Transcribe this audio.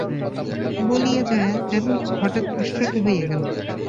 বলিয়া জয়া যেন হঠাৎ আশ্চর্য হইয়া গেল।